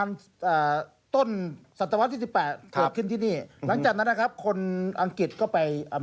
อยู่สกอตแลนด์อยู่ไอไลน์นะครับ